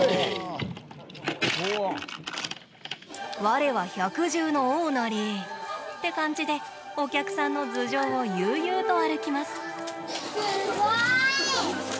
「われは百獣の王なり」って感じでお客さんの頭上を悠々と歩きます。